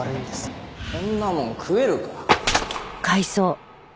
こんなもん食えるか。